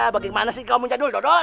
bagaimana sih kau mengajak jadul dodol